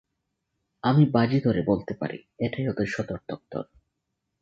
আমি বাজি ধরে বলতে পারি এটাই ওদের সদর দপ্তর।